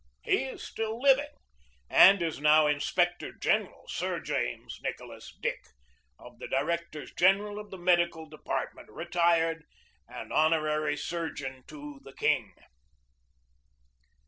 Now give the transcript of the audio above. He is still living, and is now Inspector General Sir James Nicholas Dick, of the Directors General of the Medical Department, retired, and Honorary Surgeon to the King.